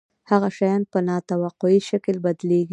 هغه شیان په نا توقعي شکل بدلیږي.